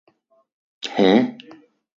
Häh?